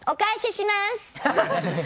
お返しします！